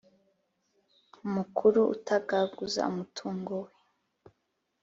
mukuru utagaguza umutungo we